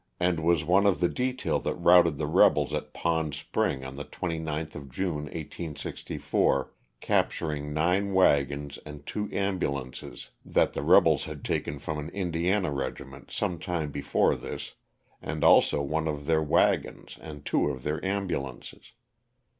and was one of the detail that routed the rebels at Pond Spring on the 29th of June, 1864, capturing nine wagons and two ambulances that 346 LOSS OF THE SULTANA. the rebels had taken from an Indiana regiment some time before this, and also one of their wagons and two of their ambulances.